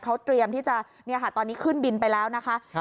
เขาเตรียมที่จะตอนนี้ขึ้นบินไปแล้วนะคะ